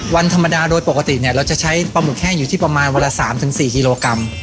วันธรรมดาโดยปกติเนี่ยเราจะใช้ปลาหมึกแห้งอยู่ที่ประมาณวันละ๓๔กิโลกรัม